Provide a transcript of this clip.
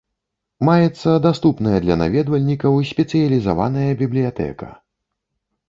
Маецца даступная для наведвальнікаў спецыялізаваная бібліятэка.